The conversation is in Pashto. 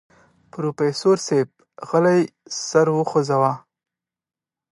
پروفيسر صيب غلی سر وخوځوه.